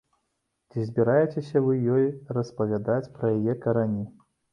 Ці збіраецеся вы ёй распавядаць пра яе карані?